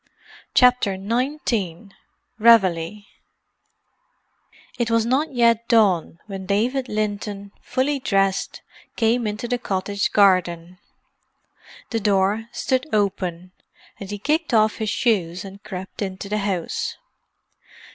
CHAPTER XIX REVEILLE It was not yet dawn when David Linton, fully dressed, came into the cottage garden. The door stood open, and he kicked off his shoes and crept into the house.